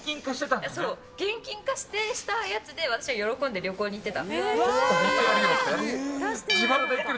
現金化したやつで私は喜んで旅行に行ってた。